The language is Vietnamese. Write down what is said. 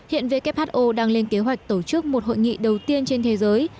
hiện who đang lên kế hoạch tổ chức một hội nghị đầu tiên trên thế giới